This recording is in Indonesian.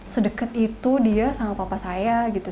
sedekat itu dia sama papa saya gitu